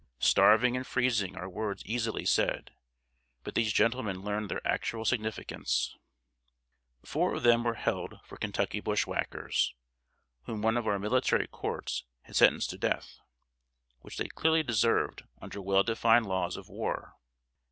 Starving and freezing are words easily said, but these gentlemen learned their actual significance. Four of them were held for Kentucky bushwhackers, whom one of our military courts had sentenced to death, which they clearly deserved under well defined laws of war.